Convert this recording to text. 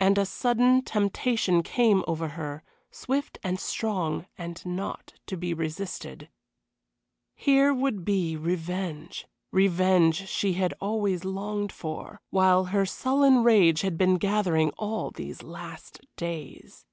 And a sudden temptation came over her, swift and strong and not to be resisted. Here would be revenge revenge she had always longed for! while her sullen rage had been gathering all these last days.